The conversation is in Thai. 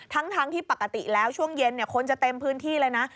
ทั้งที่ปกติแล้วช่วงเย็นคนจะเต็มพื้นที่เลยนะ